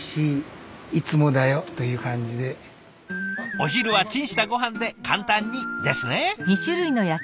お昼はチンしたごはんで簡単にですね。